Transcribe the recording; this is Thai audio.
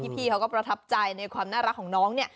พี่เขาก็ประทับใจในความน่ารักของน้องเนี่ย